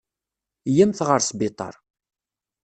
Yya-mt ɣer sbiṭar.